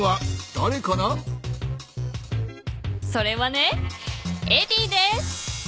それはねエディです。